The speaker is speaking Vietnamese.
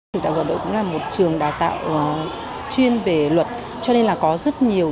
đại học luật hà nội cũng là một trường đào tạo chuyên về luật cho nên là có rất nhiều